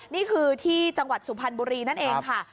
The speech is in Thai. นี่คือที่จังหวัดสุพรรณบุรีนั่นเองค่ะ